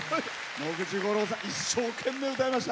野口五郎さん、一生懸命歌いました。